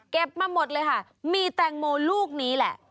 มาหมดเลยค่ะมีแตงโมลูกนี้แหละ